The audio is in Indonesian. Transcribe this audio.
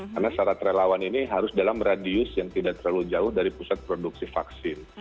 karena syarat relawan ini harus dalam radius yang tidak terlalu jauh dari pusat produksi vaksin